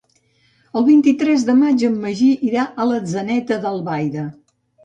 El vint-i-tres de maig en Magí irà a Atzeneta d'Albaida.